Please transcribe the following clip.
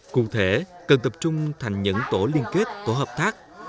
cụ thể cần tập trung thành những tổ liên kết tổ hợp tác